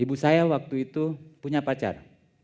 ibu saya waktu itu punya pacar